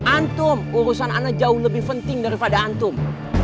antum urusan anak jauh lebih penting daripada antum